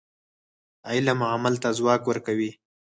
علم عمل ته ځواک ورکوي.